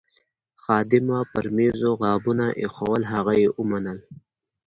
خادمه پر میزو غابونه ایښوول، هغه یې ومنل.